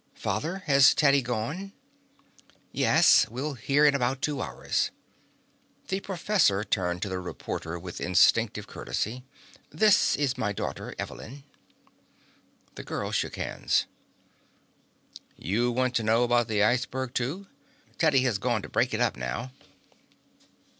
"Father, has Teddy gone?" "Yes. We'll hear in about two hours." The professor turned to the reporter with instinctive courtesy. "This is my daughter, Evelyn." The girl shook hands. "You want to know about the iceberg, too? Teddy has gone to break it up now."